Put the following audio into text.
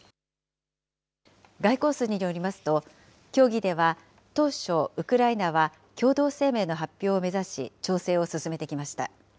外交筋によりますと、協議では当初、ウクライナは共同声明の発表を目指し、調整を進めてきました。